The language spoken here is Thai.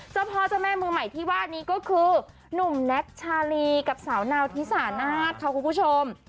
เจ้าพ่อเจ้าแม่มือใหม่ที่ว่านี้ก็คือหนุ่มแน็กชาลีกับสาวนาวธิสานาศค่ะคุณผู้ชม